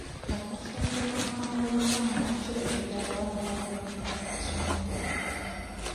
Okufumbirwa amangu mu baana kireetedde abawala bangi okuva mu masomero.